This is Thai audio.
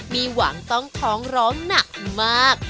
มีหวังต้องท้องร้องหนักมาก